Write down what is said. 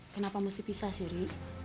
kenapa mesti pisah sih ri